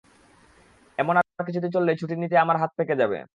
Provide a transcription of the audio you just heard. এমন আর কিছুদিন চললেই ছুটি নিতে আমার হাত পেকে যাবে।